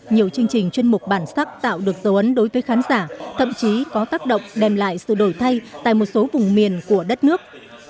nhiều chương trình chuyên mục bản sắc tạo được dấu ấn đối với khán giả thậm chí có tác động đem lại sự đổi thay tại một số vùng miền của đất nước